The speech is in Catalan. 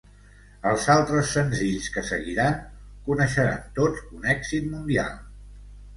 Els altres senzills que seguiran coneixeran tots un èxit mundial.